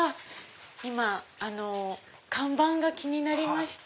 今看板が気になりまして。